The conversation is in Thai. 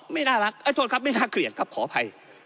ไม่น่ารักโทษครับไม่น่าเกลียดครับขออภัย